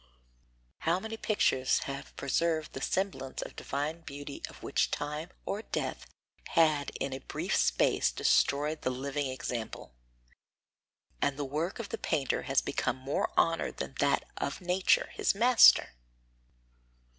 How many pictures have preserved the semblance of divine beauty of which time or death had in a brief space destroyed the living example: and the work of the painter has become more honoured than that of nature, his master!